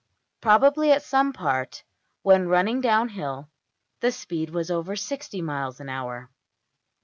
Probably at some part, when running downhill, the speed was over $60$~miles an hour.